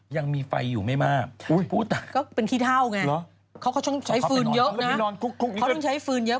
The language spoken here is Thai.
ยังมีไฟอยู่ไม่มากจะพูดกัะแล้วเป็นขี้เท่าไงเขาต้องใช้ฟืนเยอะนะ